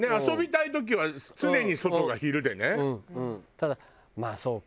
ただまあそうか。